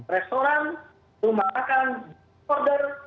restoran rumah makan order